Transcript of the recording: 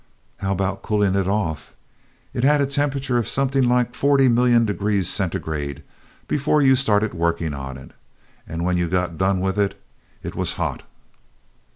"How about cooling it off? It had a temperature of something like forty million degree centigrade before you started working on it; and when you got done with it, it was hot."